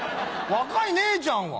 若い姉ちゃんは？